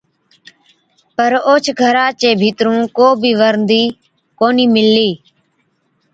پَر اوهچ گھرا چي ڀِيترُون ڪو بِي ورندِي ڪونهِي مِللِي۔